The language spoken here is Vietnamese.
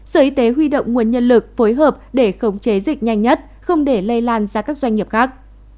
sở y tế huy động nguồn nhân lực phối hợp để khống chế dịch nhanh nhất